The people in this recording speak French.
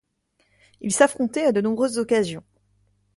Ils s'affrontaient à de nombreuses occasions.